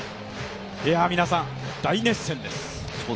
皆さん、大熱戦です。